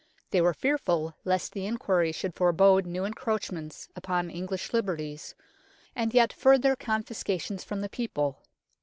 They were fearful lest the inquiry should forebode new encroachments upon English liberties, and yet further confiscations from the people.